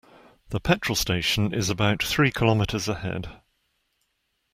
The petrol station is about three kilometres ahead